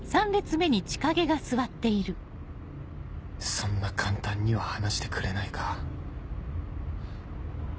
そんな簡単には話してくれないか